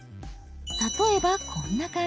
例えばこんな感じ。